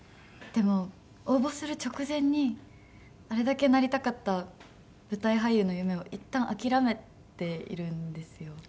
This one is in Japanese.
でも応募する直前にあれだけなりたかった舞台俳優の夢をいったん諦めているんですよ。